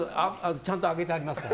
ちゃんと揚げてありますから。